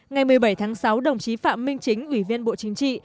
ngày một mươi bảy tháng sáu đồng chí phạm minh chính ủy viên bộ chính trị